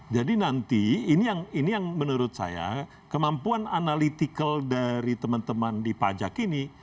jadi nanti ini yang menurut saya kemampuan analytical dari teman teman di pajak ini